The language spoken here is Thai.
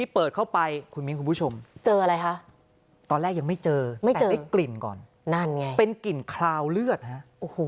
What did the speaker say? เป็นกลิ่นคลาวเลือดนะฮะ